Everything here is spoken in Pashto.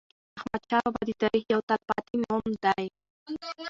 احمدشاه بابا د تاریخ یو تل پاتی نوم دی.